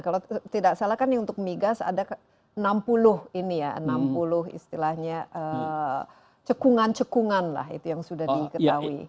kalau tidak salah kan untuk migas ada enam puluh ini ya enam puluh istilahnya cekungan cekungan lah itu yang sudah diketahui